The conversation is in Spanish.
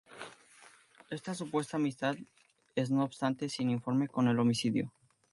Esta supuesta amistad es no obstante sin informe con el homicidio.